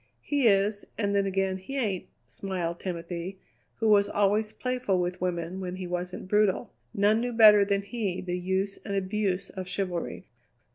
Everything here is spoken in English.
"He is, and then again he ain't," smiled Timothy, who was always playful with women when he wasn't brutal. None knew better than he the use and abuse of chivalry.